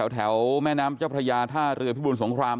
แถวแม่น้ำเจ้าพระยาท่าเรือพิบูรสงคราม